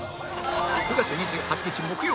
９月２８日木曜！